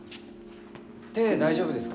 手大丈夫ですか？